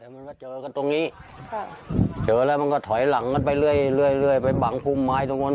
มันก็เจอกันตรงนี้เจอแล้วมันก็ถอยหลังไปเรื่อยไปบังคุมไม้ตรงนั้น